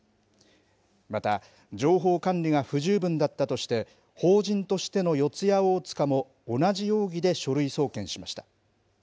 また、情報管理が不十分だったとして、法人としての四谷大塚も同じ容疑で書類送検しました。